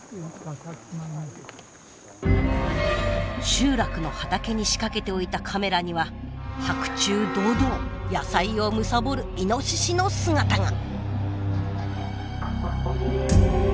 集落の畑に仕掛けておいたカメラには白昼堂々野菜を貪るイノシシの姿が。